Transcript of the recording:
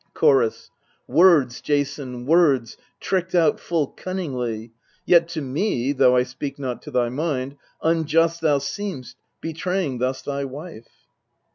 Chorus. Words, Jason, words, tricked out full cun ningly : Yet to me though I speak not to thy mind Unjust thou seem'st, betraying thus thy wife.